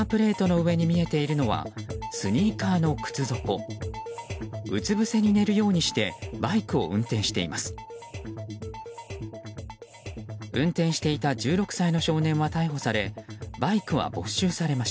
うつぶせに寝るようにしてバイクを運転しています。